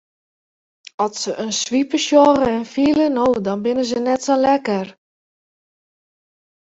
At se in swipe sjogge en fiele no dan binne se net sa lekker.